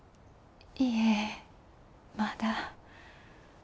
いえまだ。